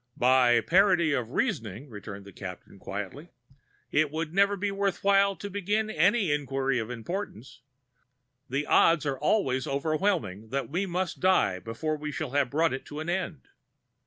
"By parity of reasoning," returned the Captain gently, "it would never be worth while to begin any inquiry of importance; the odds are always overwhelming that we must die before we shall have brought it to an end.